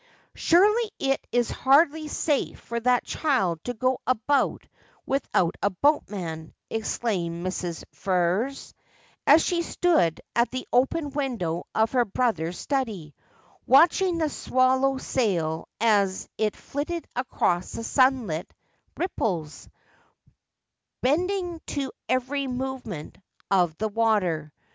' Surely it is hardly safe for that child to go about without a boatman,' exclaimed Mrs. Ferrers, as she stood at the open window of her brother's study, watching the swallow sail as it flitted across the sunlit ripples, bending to every movement of the water.